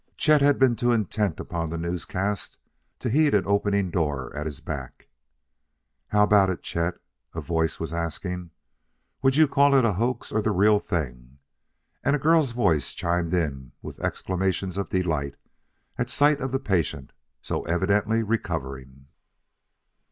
Chet had been too intent upon the newscast to heed an opening door at his back.... "How about it, Chet?" a voice was asking. "Would you call it a hoax or the real thing?" And a girl's voice chimed in with exclamations of delight at sight of the patient, so evidently recovering.